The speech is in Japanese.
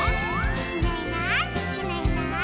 「いないいないいないいない」